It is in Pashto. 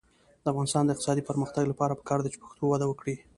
د افغانستان د اقتصادي پرمختګ لپاره پکار ده چې پښتو وده وکړي.